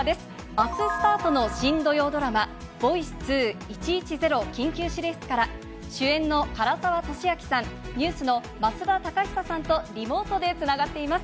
あすスタートの新土曜ドラマ、ボイス２、１１０緊急指令室から、主演の唐沢寿明さん、ＮＥＷＳの増田貴久さんとリモートでつながっています。